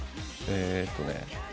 えーとね。